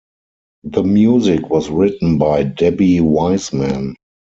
The music was written by Debbie Wiseman.